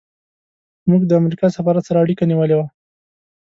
موږ د امریکا سفارت سره اړیکه نیولې وه.